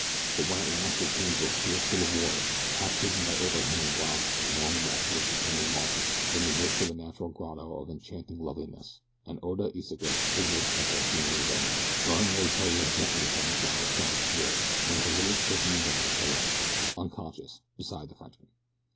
But when at last they came to a clear pool of water, half hidden by overhanging rocks and long masses of depending mosses, in the midst of a natural grotto of enchanting loveliness, and Oda Iseka signaled that their journey was at an end, Byrne laid Theriere gently upon the flower starred sward, and with a little, choking gasp collapsed, unconscious, beside the Frenchman.